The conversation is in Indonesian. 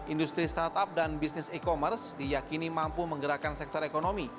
industri startup dan bisnis e commerce diyakini mampu menggerakkan sektor ekonomi